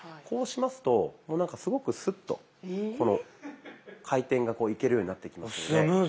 こうしますとなんかすごくスッとこの回転がいけるようになってきますので。